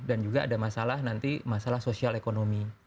juga ada masalah nanti masalah sosial ekonomi